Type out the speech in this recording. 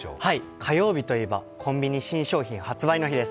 火曜日といえばコンビニ新商品発売の日です。